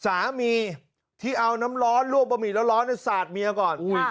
สามีที่เอาน้ำร้อนลวกบะหมี่ร้อนสาดเมียก่อน